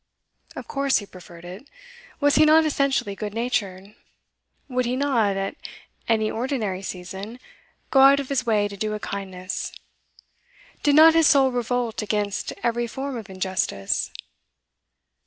Of course he preferred it. Was he not essentially good natured? Would he not, at any ordinary season, go out of his way to do a kindness? Did not his soul revolt against every form of injustice?